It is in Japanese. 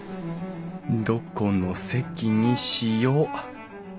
どこの席にしよう？